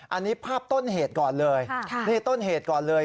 อันนี้ภาพต้นเหตุก่อนเลย